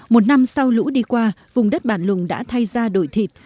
một năm sau lũ đi qua vùng đất bản lùng đã thay ra đổi thịt